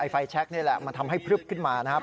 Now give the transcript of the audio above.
ไฟแช็คนี่แหละมันทำให้พลึบขึ้นมานะครับ